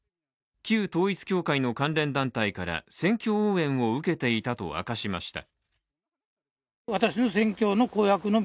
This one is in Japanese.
旧統一教会の関連団体から選挙応援を受けていたと明かしました。